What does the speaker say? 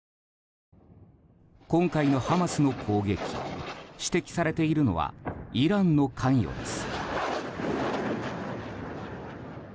今回のハマスの攻撃指摘されているのはイランの関与です。